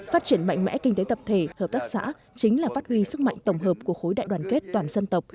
phát triển mạnh mẽ kinh tế tập thể hợp tác xã chính là phát huy sức mạnh tổng hợp của khối đại đoàn kết toàn dân tộc